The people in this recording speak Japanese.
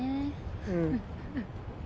うん。